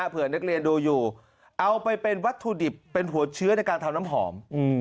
เผื่อนักเรียนดูอยู่เอาไปเป็นวัตถุดิบเป็นหัวเชื้อในการทำน้ำหอม